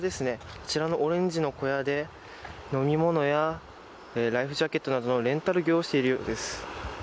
あちらのオレンジの小屋で飲み物やライフジャケットなどのレンタル業をしているようです。